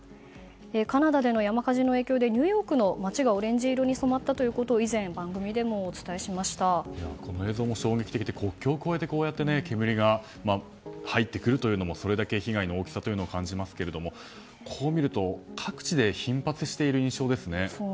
カナダでの山火事の影響でニューヨークの街がオレンジ色に染まったということをこの映像も衝撃的で国境を越えて煙が入ってくるのもそれだけ被害の大きさを感じますがこう見ると各地で頻発している印象ですね。